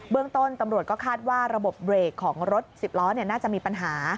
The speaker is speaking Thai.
เรื่องต้นตำรวจก็คาดว่าระบบเบรกของรถสิบล้อน่าจะมีปัญหา